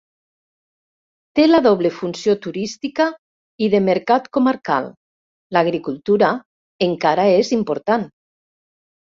Té la doble funció turística i de mercat comarcal; l'agricultura encara és important.